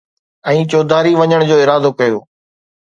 ۽ چوڌاري وڃڻ جو ارادو ڪيو